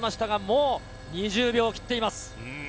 ただ、もう２０秒切っています。